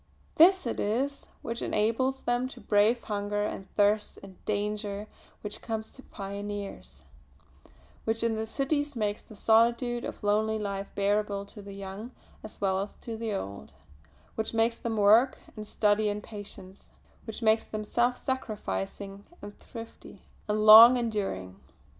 This it is which enables them to brave hunger and thirst and all danger which comes to pioneers; which in the cities makes the solitude of lonely life bearable to the young as well as to the old; which makes them work and study in patience; which makes them self sacrificing, and thrifty, and long enduring.